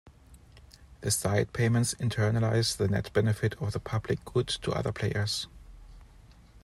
The side payments internalize the net benefit of the public good to other players.